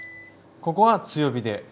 ここは強火で。